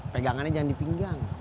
pegangannya jangan dipinggang